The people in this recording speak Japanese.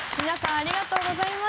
ありがとうございます。